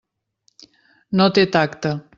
No té tacte.